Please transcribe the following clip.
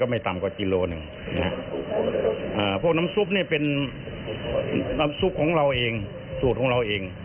เออน้ำซุปนี่เป็นน้ำซุปของเราเองสูตรของเราเอง